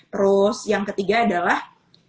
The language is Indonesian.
terus yang ketiga adalah